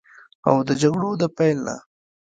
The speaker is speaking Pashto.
او د جګړو د پیل نه